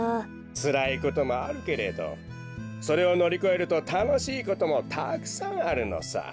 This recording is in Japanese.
つらいこともあるけれどそれをのりこえるとたのしいこともたくさんあるのさ。